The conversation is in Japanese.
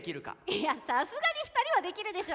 いやさすがに２人はできるでしょ。